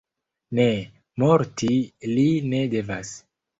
Ne, morti li ne devas!